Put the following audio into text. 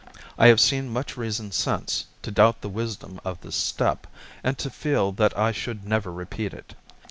I have seen much reason since to doubt the wisdom of this step, and to feel that I should never repeat it.